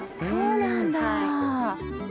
そうなんだ。